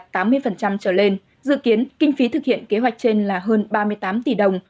tỷ lệ học nghề đạt tám mươi trở lên dự kiến kinh phí thực hiện kế hoạch trên là hơn ba mươi tám tỷ đồng